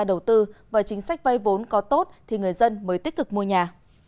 nếu doanh nghiệp tích cực tham gia đầu tư và chính sách vay vốn có tốt thì người dân mới tích cực mua nhà